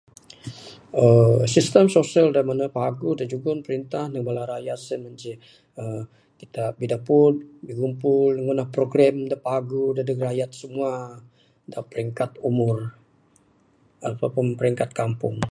[uhh]..sistem sosial da mene paguh da jugong perintah ndug bala rakyat sien mah ceh, uhh... kitak bidapud, bigumpul ngundah program da pagauh dadeg rakyat semua, da peringkat umur, atau pun peringkat kampung.